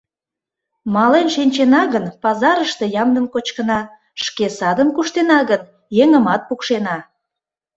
Мален шинчена гын, пазарыште ямдым кочкына, шке садым куштена гын, еҥымат пукшена.